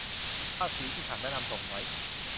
ภาษีที่หักและนำส่งไว้